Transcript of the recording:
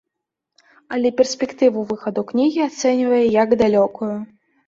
Але перспектыву выхаду кнігі ацэньвае як далёкую.